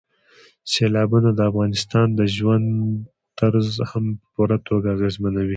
سیلابونه د افغانانو د ژوند طرز هم په پوره توګه اغېزمنوي.